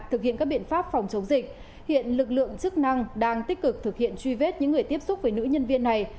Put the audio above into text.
thực hiện các biện pháp phòng chống dịch hiện lực lượng chức năng đang tích cực thực hiện truy vết những người tiếp xúc với nữ nhân viên này